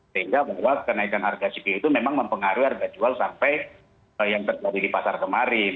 sehingga bahwa kenaikan harga cpo itu memang mempengaruhi harga jual sampai yang terjadi di pasar kemarin